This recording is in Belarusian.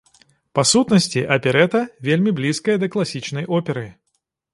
Па сутнасці, аперэта вельмі блізкая да класічнай оперы.